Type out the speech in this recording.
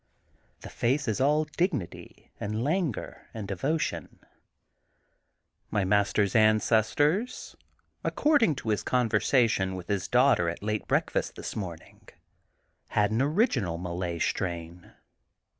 The face is all dignity and languor and devotion. My master ^s ancestors, according to his conversation with his daughter at late break fast this morning, had an original Malay strain.